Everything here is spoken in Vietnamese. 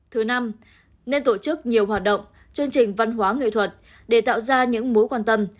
thứ năm nên tổ chức nhiều hoạt động chương trình văn hóa nghệ thuật để tạo ra những mối quan tâm